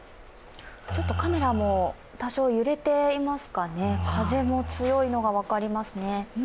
カメラも多少揺れていますかね、風も強いのが分かりますね。